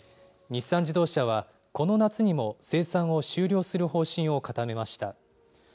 日産自動車は、この夏にも生産を終了する方針を固めました。